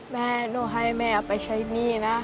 แม่หนูให้แม่เอาไปใช้หนี้นะ